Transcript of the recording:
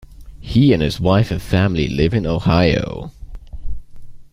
He and his wife and family live in Ohio.